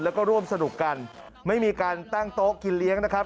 แล้วก็ร่วมสนุกกันไม่มีการตั้งโต๊ะกินเลี้ยงนะครับ